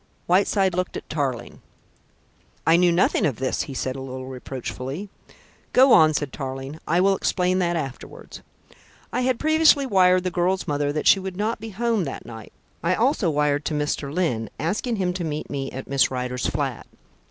Whiteside looked at Tarling. "I knew nothing of this," he said a little reproachfully. "Go on," said Tarling. "I will explain that afterwards." "I had previously wired the girl's mother that she would not be home that night. I also wired to Mr. Lyne, asking him to meet me at Miss Rider's flat.